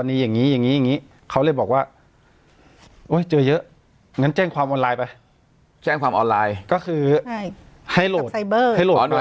หน่วยงานตำรวจไซเบอร์ใช่ไหม